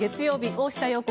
「大下容子